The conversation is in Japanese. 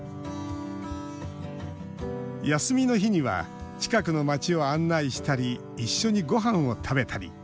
休みの日には近くの街を案内したり一緒にごはんを食べたり。